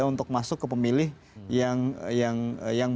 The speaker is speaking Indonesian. untuk masuk ke pemilih yang